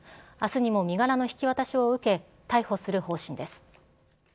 あすにも身柄の引き渡しを受け、逮捕する方針です。